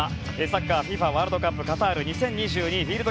サッカーＦＩＦＡワールドカップカタール２０２２